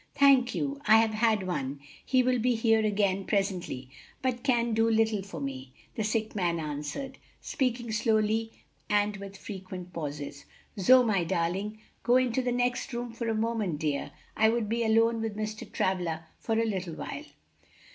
"Thank you. I have had one; he will be here again presently, but can do little for me," the sick man answered, speaking slowly and with frequent pauses. "Zoe, my darling, go into the next room for a moment, dear. I would be alone with Mr. Travilla for a little while."